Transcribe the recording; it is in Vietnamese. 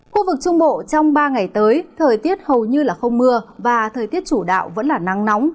khu vực trung bộ trong ba ngày tới thời tiết hầu như không mưa và thời tiết chủ đạo vẫn là nắng nóng